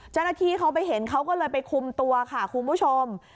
เจ้าหน้าที่เขาไปเห็นเขาก็เลยไปคุมตัวค่ะคุณผู้ชม